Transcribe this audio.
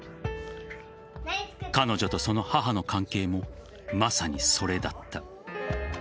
彼女とその母の関係もまさにそれだった。